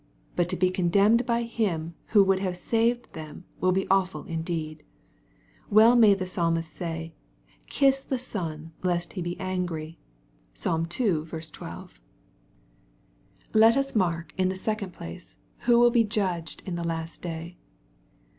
But to be condemned by Him who would have saved them will be awful indeed. Well may the Psalmist Bay, " Kiss the Son lest he be angry." (Psalm ii. 12.) Let us mark, in the second place, who will be judged in 842 EXP08ITOBY THOUGHTS. Oie la^t day.